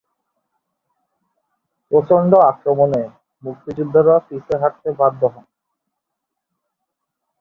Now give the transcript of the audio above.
প্রচণ্ড আক্রমণে মুক্তিযোদ্ধারা পিছু হটতে বাধ্য হন।